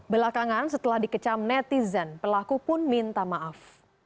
belakangan setelah dikecam netizen pelaku pun minta maaf